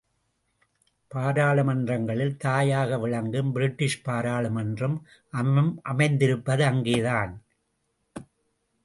பாராளுமன்றங்களின் தாயாக விளங்கும் பிரிட்டிஷ் பாராளுமன்றம் அமைந்திருப்பது அங்கேதான்.